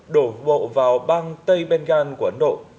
đổ bộ vào bang tây bengal của ấn độ